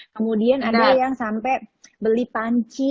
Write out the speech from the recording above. kemudian ada yang sampai beli panci